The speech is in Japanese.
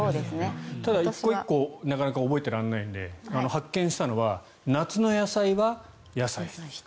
ただ、１個１個なかなか覚えていられないので発見したのは夏の野菜は野菜室。